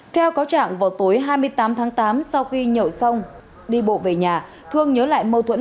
theo cáo trạng vào tối hai mươi tám tháng tám sau khi nhậu xong đi bộ về nhà thương nhớ lại mâu thuẫn